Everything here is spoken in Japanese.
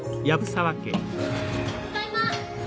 ・・ただいま！